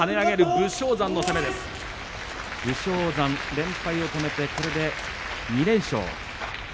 武将山、連敗を止めて２連勝。